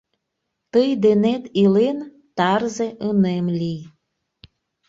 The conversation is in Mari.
Тый денет илен, тарзе ынем лий.